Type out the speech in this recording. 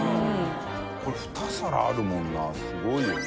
これふた皿あるもんなすごいよな。